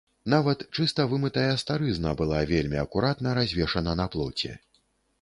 Нават чыста вымытая старызна была вельмі акуратна развешана на плоце.